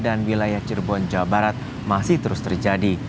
dan wilayah cirebon jawa barat masih terus terjadi